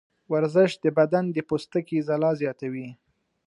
ورزش د بدن د پوستکي ځلا زیاتوي.